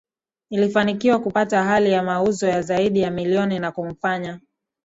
Ilifanikiwa kupata hali ya mauzo ya zaidi ya milioni na kumfanya